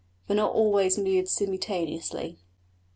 But not always moved simultaneously.